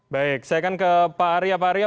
baik saya akan ke pak arya